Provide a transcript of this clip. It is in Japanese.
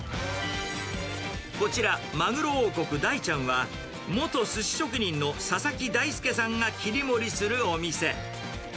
こちら、まぐろ王国大ちゃんは、元すし職人の佐々木大輔さんが切り盛りするお店。